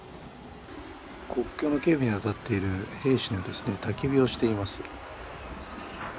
国境の警備に当たっている兵士がたき火をしています。